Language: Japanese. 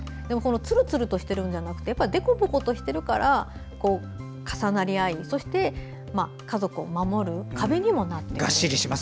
つるつるとしているのではなく凸凹しているから重なり合い、そして家族を守る壁にもなっている。